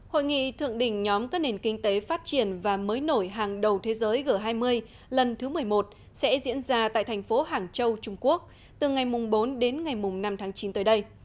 hội nghị thượng đỉnh nhóm các nền kinh tế phát triển và mới nổi hàng đầu thế giới g hai mươi lần thứ một mươi một sẽ diễn ra tại thành phố hàng châu trung quốc từ ngày bốn đến ngày năm tháng chín tới đây